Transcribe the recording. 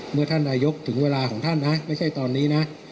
เมื่อท่านนายกถึงเวลาของท่านนะไม่ใช่ตอนนี้นะ